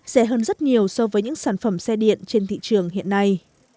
rẻ hơn rất nhiều so với những sản phẩm xe điện trên thị trường hiện nay